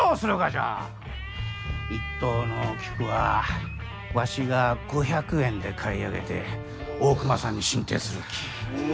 一等の菊はわしが５００円で買い上げて大隈さんに進呈するき。